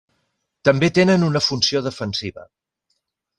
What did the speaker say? També tenen una funció defensiva.